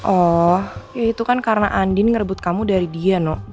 oh ya itu kan karena andin ngerebut kamu dari dia nok